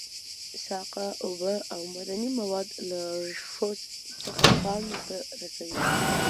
ساقه اوبه او معدني مواد له ریښو څخه پاڼو ته رسوي